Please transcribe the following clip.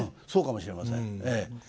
そうかもしれませんええ。